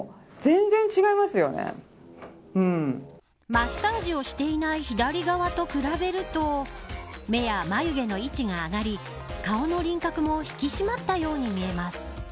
マッサージをしていない左側と比べると目や眉毛の位置が上がり顔の輪郭も引き締まったように見えます。